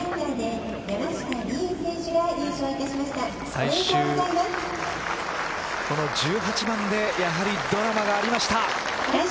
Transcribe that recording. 最終の１８番でドラマがありました。